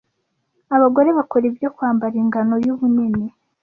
abagore bakora ibyo Kwambara ingano yubunini